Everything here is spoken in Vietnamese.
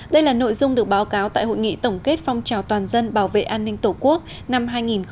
đây là nội dung được báo cáo tại hội nghị tổng kết phong trào toàn dân bảo vệ an ninh tổ quốc năm hai nghìn một mươi chín